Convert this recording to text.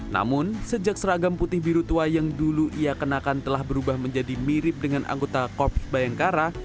namun sejak seragam putih biru tua yang dulu ia kenakan telah berubah menjadi mirip dengan anggota korps bayangkara